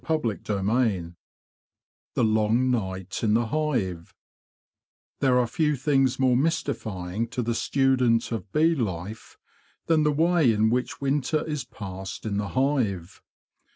CHAPTER XXVI THE LONG NIGHT IN THE HIVE PT HERE are few things more mystifying to the student of bee life than the way in which winter is passed in the hive.